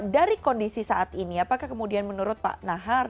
dari kondisi saat ini apakah kemudian menurut pak nahar